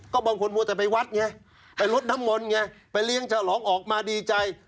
ก็บางคนพูดจะไปวัดไงไปรถน้ำมนไงไปเลี้ยงเจ้าหลองออกมาดีใจ